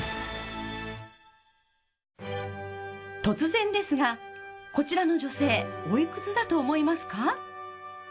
突然ですがこちらの女性おいくつだと思いますか？